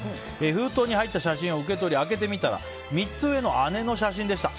封筒に入った写真を受け取り開けてみたら３つ上の姉の写真でした。